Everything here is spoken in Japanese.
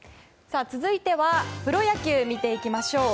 続いてはプロ野球見ていきましょう。